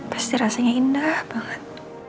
pasti rasanya indah banget